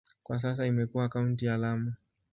Kwa sasa imekuwa kaunti ya Lamu.